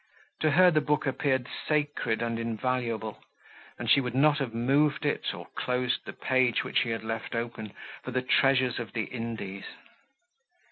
To her the book appeared sacred and invaluable, and she would not have moved it, or closed the page, which he had left open, for the treasures of the Indies.